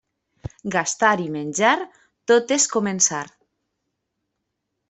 Gastar i menjar, tot és començar.